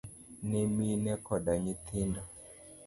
ne mine koda nyithindo.